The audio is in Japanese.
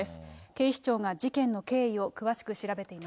警視庁が事件の経緯を詳しく調べています。